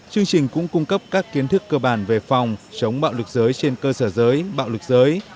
chương trình cũng cung cấp các kiến thức cơ bản về phòng chống bạo lực giới trên cơ sở giới bạo lực giới